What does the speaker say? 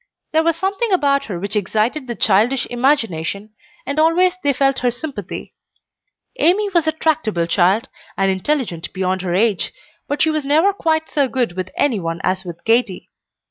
There was something about her which excited the childish imagination, and always they felt her sympathy. Amy was a tractable child, and intelligent beyond her age, but she was never quite so good with any one as with Katy.